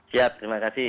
siap terima kasih